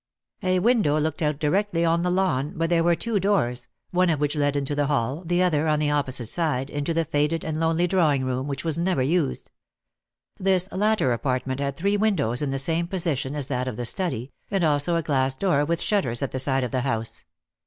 A window looked out directly on the lawn, but there were two doors, one of which led into the hall, the other, on the opposite side, into the faded and lonely drawing room, which was never used. This latter apartment had three windows in the same position as that of the study, and also a glass door with shutters at the side of the house.